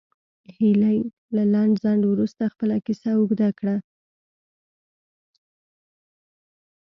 هیلې له لنډ ځنډ وروسته خپله کیسه اوږده کړه